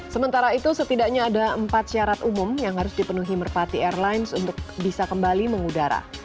sementara itu setidaknya ada empat syarat umum yang harus dipenuhi merpati airlines untuk bisa kembali mengudara